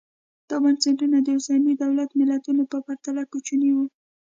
دا بنسټونه د اوسنیو دولت ملتونو په پرتله کوچني وو